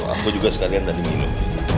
aku juga sekalian tadi minum